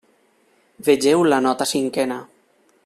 Vegeu la nota cinquena.